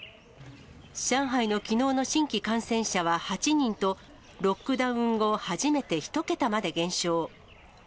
上海のきのうの新規感染者は８人と、ロックダウン後初めて１桁まで減少。